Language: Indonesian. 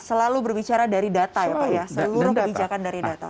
selalu berbicara dari data ya pak ya seluruh kebijakan dari data